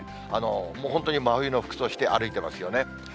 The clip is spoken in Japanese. もう本当に真冬の服装して歩いてますよね。